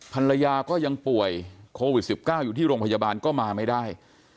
ภรรยาก็ยังป่วยโควิด๑๙อยู่ที่โรงพยาบาลก็มาไม่ได้